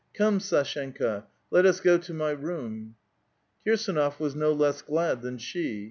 Come, Sdshenka, let us go to my room." Kirsdnof was no less glad than she.